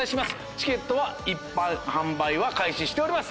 チケットは一般販売は開始しております。